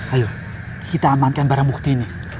ayo kita amankan barang bukti ini